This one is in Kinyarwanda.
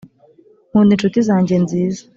nkunda inshuti zanjye nziza.